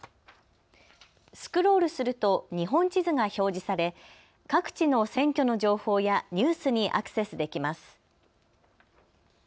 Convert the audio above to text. スクロールすると日本地図が表示され各地の選挙の情報やニュースにアクセスできます。